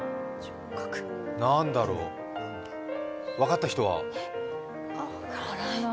なんだろう分かった人は？